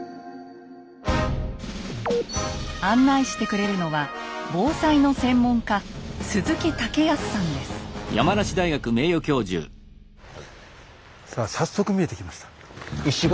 案内してくれるのは防災の専門家さあ早速見えてきました。